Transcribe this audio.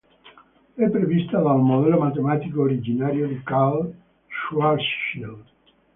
È prevista dal modello matematico originario di Karl Schwarzschild.